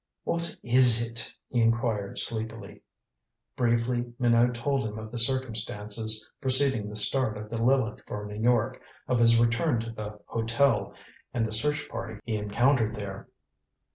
"What is it?" he inquired sleepily. Briefly Minot told him of the circumstances preceding the start of the Lileth for New York, of his return to the hotel, and the search party he encountered there.